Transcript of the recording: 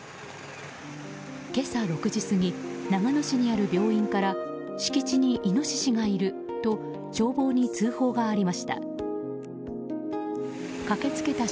今朝６時過ぎ長野市にある病院から敷地にイノシシがいると消防に通報がありました。